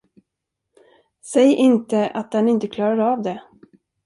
Säg inte att den inte klarar av det?